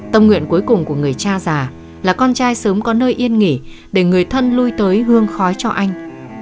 tâm nguyện cuối cùng của người cha già là con trai sớm có nơi yên nghỉ để người thân lui tới hương khói cho anh